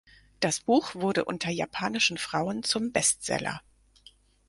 Das Buch wurde unter japanischen Frauen zum Bestseller.